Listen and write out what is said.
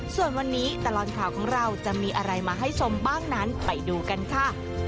ส่วนวันนี้ตลอดข่าวของเราจะมีอะไรมาให้ชมบ้างนั้นไปดูกันค่ะ